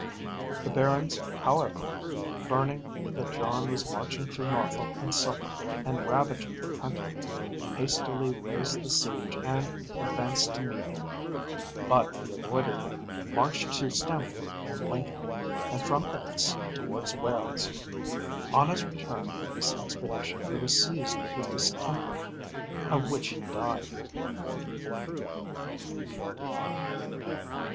The barons, however, learning that John was marching through Norfolk and Suffolk, and ravaging the country, hastily raised the siege and advanced to meet him. But he avoided them, marched to Stamford and Lincoln, and from thence towards Wales. On his return from this expedition he was seized with the distemper of which he died.